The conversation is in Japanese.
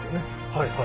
はいはい。